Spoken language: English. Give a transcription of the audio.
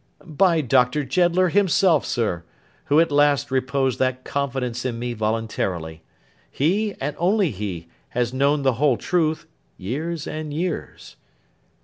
'By Doctor Jeddler himself, sir, who at last reposed that confidence in me voluntarily. He, and only he, has known the whole truth, years and years.